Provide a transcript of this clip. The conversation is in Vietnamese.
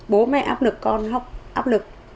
bố mẹ áp lực con học áp lực